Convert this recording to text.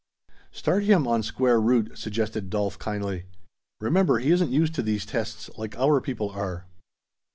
"Start him on square root," suggested Dolf kindly. "Remember he isn't used to these tests like our people are."